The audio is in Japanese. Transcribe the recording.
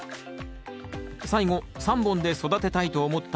最後３本で育てたいと思った理由は？